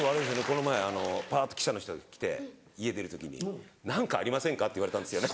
この前パっと記者の人来て家出る時に「何かありませんか？」って言われたんですよね？